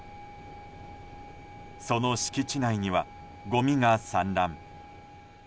その敷地内には、ごみが散乱。